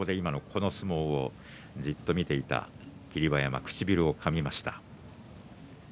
この相撲をじっと見ていた霧馬山、唇をかみました。